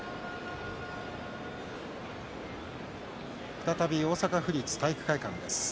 再び大阪府立体育会館です。